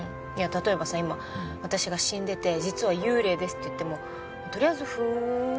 例えばさ今私が死んでて「実は幽霊です」って言ってもとりあえず「ふーん」って聞いてくれるでしょ？